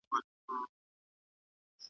چی ستا، ستایلوته خواږه خواږه الفاظ پیداکړم